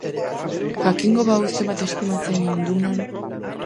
Jakingo bahu zenbat estimatzen hindunan!